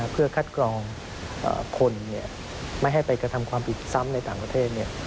เพื่อคัดกรองคนไม่ให้ไปกระทำความผิดซ้ำในต่างประเทศ